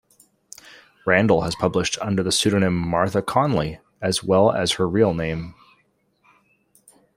Randall has published under the pseudonym Martha Conley as well as her real name.